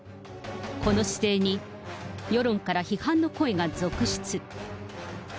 この姿勢に、世論から批判の声が続出。